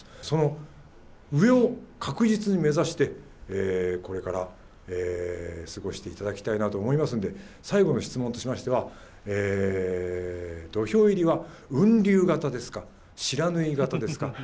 その上を確実に目指してこれから過ごしていただきたいなと思いますんで最後の質問としましては土俵入りは雲竜型ですか不知火型ですか。